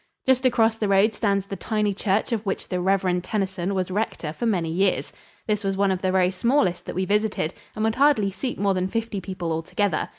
Just across the road stands the tiny church of which the Rev. Tennyson was rector for many years. This was one of the very smallest that we visited and would hardly seat more than fifty people altogether.